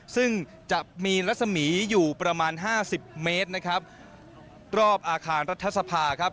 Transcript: ซึ่งจะมีรัศมีอยู่ประมาณห้าสิบเมตรนะครับรอบอาคารรัฐสภาครับ